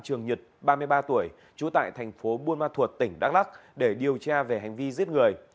trường nhật ba mươi ba tuổi trú tại thành phố buôn ma thuột tỉnh đắk lắc để điều tra về hành vi giết người